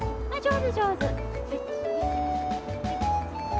はい。